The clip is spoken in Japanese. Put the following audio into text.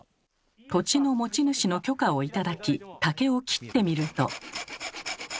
土地の持ち主の許可を頂き竹を切ってみると。